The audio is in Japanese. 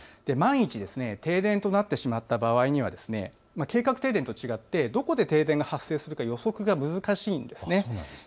万一、停電となってしまった場合には計画停電と違って、どこで停電が発生するか予測が難しいんです。